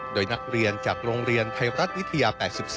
โดยนักเรียนจากโรงเรียนไทยรัฐวิทยา๘๔